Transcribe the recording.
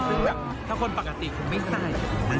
ซึ่งแบบถ้าคนปกติคงไม่ใส่